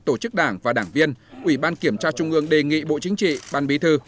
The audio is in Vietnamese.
tổ chức đảng và đảng viên ủy ban kiểm tra trung ương đề nghị bộ chính trị ban bí thư